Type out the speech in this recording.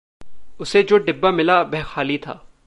उसे जो डब्बा मिला वह खाली था।